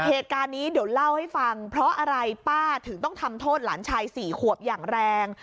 เหตุการณ์นี้เดี๋ยวเล่าให้ฟังเพราะอะไรป้าถึงต้องทำโทษหลานชาย๔ขวบอย่างแรง